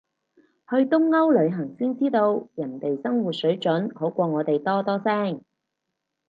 去東歐旅行先知道，人哋生活水準好過我哋多多聲